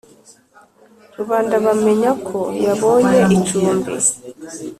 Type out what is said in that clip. rubanda bamenya ko yabonye icumbi;